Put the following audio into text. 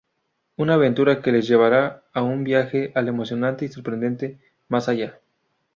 Una aventura que les llevará a un viaje al emocionante y sorprendente "Más Allá".